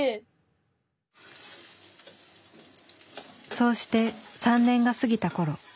そうして３年が過ぎた頃。